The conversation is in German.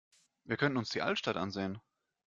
Wir könnten uns die Altstadt ansehen.